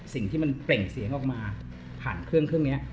สิ่งที่มันเปล่งเสียงออกมาผ่านเครื่องเครื่องนี้